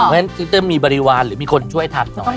เพราะฉะนั้นซิมมีบริวารหรือมีคนช่วยทำหน่อย